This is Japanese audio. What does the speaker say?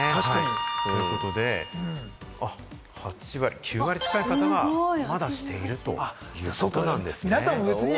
ということで、９割近い方がまだしているということなんですね。